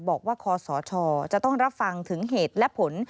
คอสชจะต้องรับฟังถึงเหตุและผล